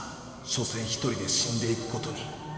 しょせん１人で死んでいくことに。